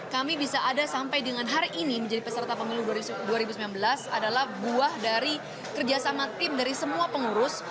kami bisa ada sampai dengan hari ini menjadi peserta pemilu dua ribu sembilan belas adalah buah dari kerjasama tim dari semua pengurus